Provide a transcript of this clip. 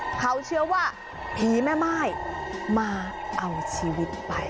เขาเชื่อว่าผีแม่ม่ายมาเอาชีวิตไป